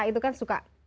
itu kan suka